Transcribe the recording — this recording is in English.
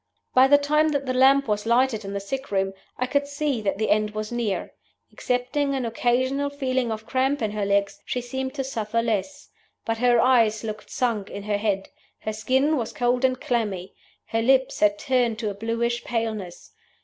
"By the time that the lamp was lighted in the sick room I could see that the end was near. Excepting an occasional feeling of cramp in her legs, she seemed to suffer less. But her eyes looked sunk in her head; her skin was cold and clammy; her lips had turned to a bluish paleness.